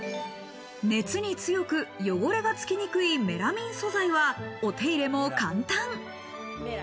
熱に強く汚れがつきにくいメラミン素材は、お手入れも簡単。